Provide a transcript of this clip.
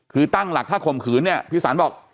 คือตั้งหลักถ้าข่มขืนเนี่ยพี่สันบอก